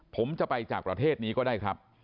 ผมจะไปจากประเทศนี้ก็ได้ครับ